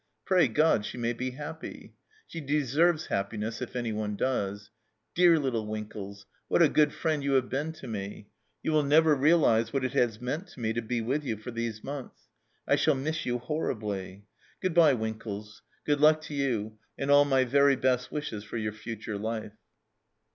Pray God she may be happy ! She deserves happiness, if anyone does. Dear little Winkles, what a good friend you have been to me ! You will never realize what it has meant to me to be with you for these months. I shall miss you horribly. Good bye, Winkles ; good luck to you, and all my very best wishes for your future life."